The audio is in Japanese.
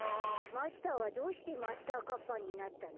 マスターはどうしてマスターカッパーになったの？